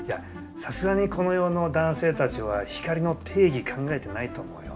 さすがにこの世の男性たちは光の定義考えてないと思うよ。